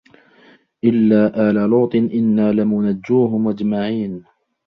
إِلَّا آلَ لُوطٍ إِنَّا لَمُنَجُّوهُمْ أَجْمَعِينَ